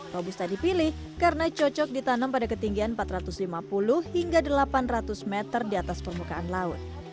robusta dipilih karena cocok ditanam pada ketinggian empat ratus lima puluh hingga delapan ratus meter di atas permukaan laut